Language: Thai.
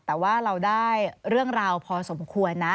แต่ว่าเราได้เรื่องราวพอสมควรนะ